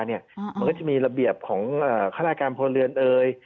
มันก็จะมีระเบียบของคลักษณะการพลเรือนเอย